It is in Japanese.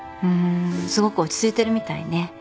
ふんすごく落ち着いてるみたいね。